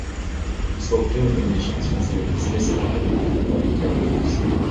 He spoke fluent English and was considered "dismissive and aloof" by the interrogators.